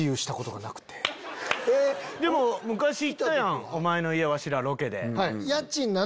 でも昔行ったやんお前の家わしらロケで。